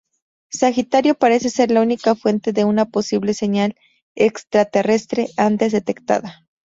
Sagitario parece ser la única fuente de una posible señal extraterrestre antes detectada.